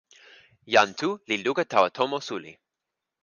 jan Tu li luka tawa tomo suli.